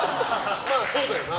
まあそうだよな。